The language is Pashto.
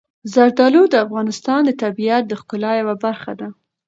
زردالو د افغانستان د طبیعت د ښکلا یوه برخه ده.